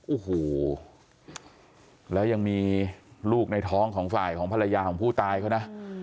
โอ้โหแล้วยังมีลูกในท้องของฝ่ายของภรรยาของผู้ตายเขานะ